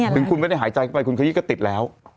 ถึงคุณไม่ได้หายใจเข้าไปคุณขยี้ก็ติดแล้ว